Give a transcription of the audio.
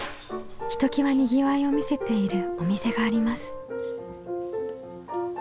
ひときわにぎわいを見せているお店があります。